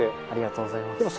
ありがとうございます。